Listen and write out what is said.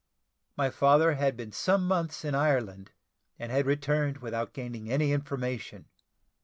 My father had been some months in Ireland, and had returned without gaining any information.